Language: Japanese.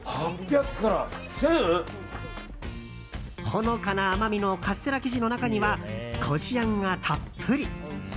ほのかな甘みのカステラ生地の中にはこしあんがたっぷり。